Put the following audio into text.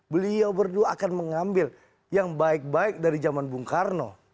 beliau berdua akan mengambil yang baik baik dari zaman bung karno